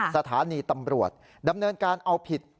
สถานีตำรวจดำเนินการเอาผิด